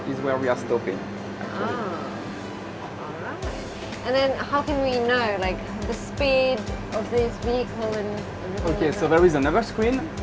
itu adalah titik biru bukan